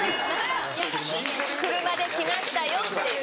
「車で来ましたよ」っていう。